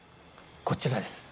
こちらです。